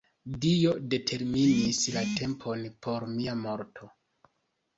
Dio determinis la tempon por mia morto.